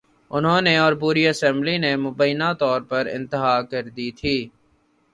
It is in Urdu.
انہوں نے اور پوری اسمبلی نے مبینہ طور پر انتہا کر دی تھی۔